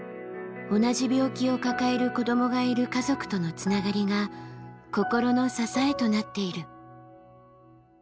同じ病気を抱える子どもがいる家族とのつながりが心の支えとなっている。